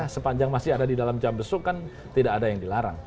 sepanjang masih ada di dalam jam besuk kan tidak ada yang dilarang